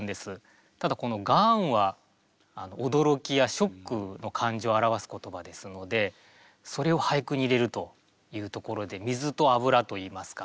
ただこの「ガーン」は驚きやショックの感情を表す言葉ですのでそれを俳句に入れるというところで水と油といいますか。